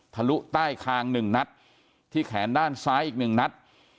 ทะลุใต้คางหนึ่งนัดที่แขนด้านซ้ายอีกหนึ่งนัด